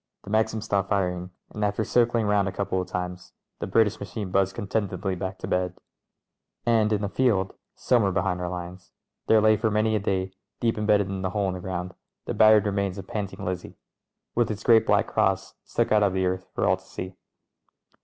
The Maxim stopped firing, and after circling round a couple of times the British machine buzzed contentedly back to bed. And in a field — somewhere behind our lines — there lay for many a day, deep embedded in a hole in the ground, the battered remnants of Panting Lizzie, with its great black cross stuck out of the earth for all to see.